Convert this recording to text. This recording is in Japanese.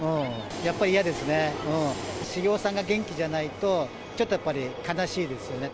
やっぱり嫌ですね、茂雄さんが元気じゃないと、ちょっとやっぱり悲しいですよね。